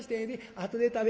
あとで食べ』。